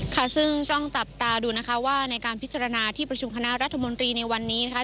ค่ะซึ่งต้องจับตาดูนะคะว่าในการพิจารณาที่ประชุมคณะรัฐมนตรีในวันนี้นะคะ